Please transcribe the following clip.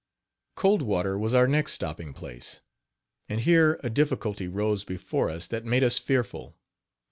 Cold Water was our next stopping place, and here a difficulty rose before us that made us fearful.